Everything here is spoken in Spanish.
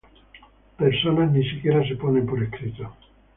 Personas ni siquiera se ponen por escrito.